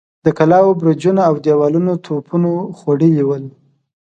د کلاوو برجونه اودېوالونه توپونو خوړلي ول.